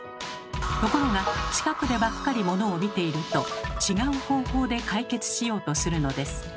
ところが近くでばっかりモノを見ていると違う方法で解決しようとするのです。